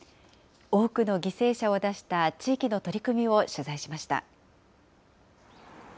多くの犠牲者を出した地域の取り組みを取材しました。